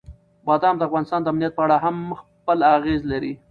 بادام د افغانستان د امنیت په اړه هم خپل اغېز لري.